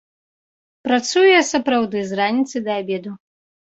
Працую я сапраўды з раніцы да абеду.